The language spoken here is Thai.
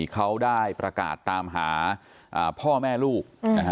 เขาได้ประกาศตามหาพ่อแม่ลูก